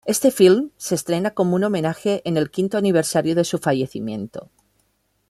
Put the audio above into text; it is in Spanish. Este filme se estrena como un homenaje en el quinto aniversario de su fallecimiento.